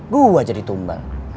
gue jadi tumbal